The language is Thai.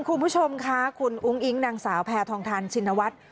คุณผู้ชมค่ะคุณอุ้งอิ๊งนางสาวแพทองทานชินวัฒน์